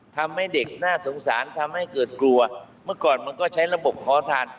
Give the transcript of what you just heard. ทำให้เด็กน่าสงสารทำให้เกิดกลัวเมื่อก่อนมันก็ใช้ระบบขอทาน